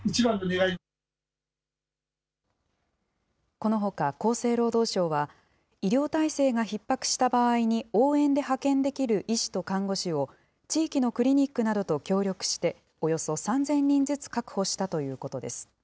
このほか厚生労働省は、医療体制がひっ迫した場合に、応援で派遣できる医師と看護師を地域のクリニックなどと協力して、およそ３０００人ずつ確保したということです。